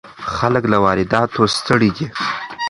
خلک له وارداتو ستړي دي.